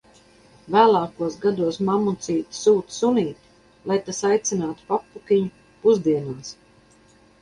Vēlākos gados mammucīte sūta sunīti, lai tas aicinātu papukiņu pusdienās.